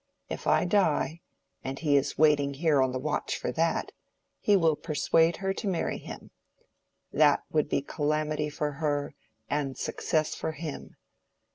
If I die—and he is waiting here on the watch for that—he will persuade her to marry him. That would be calamity for her and success for him.